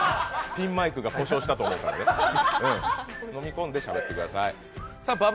ピンマイクが故障したと思うからね、飲み込んでからしゃべってください。